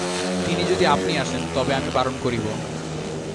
তিনি যদি আপনি আসেন তবে আমি বারণ করিব।